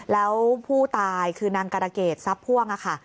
แล้วผู้ตายคือนางการะเกดทรัพย์พ่วงค่ะ